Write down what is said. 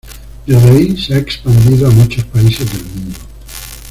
Desde ahí se ha expandido a muchos países del mundo.